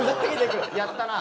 やったな。